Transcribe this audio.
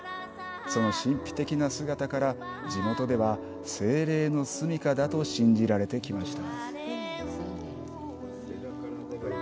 その神秘的な姿から、地元では精霊のすみかだと信じられてきました。